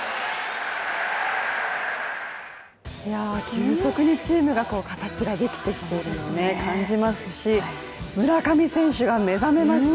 急速にチームが形ができているのを感じますし、村上選手が目覚めました。